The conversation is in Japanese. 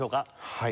はい。